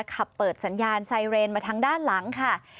เปิดสัญญาณไซเรนมาทางด้านหลังค่ะ